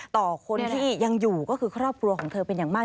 ต่อคนที่ยังอยู่ก็คือครอบครัวของเธอเป็นอย่างมาก